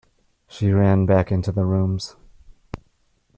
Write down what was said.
She ran back into the rooms.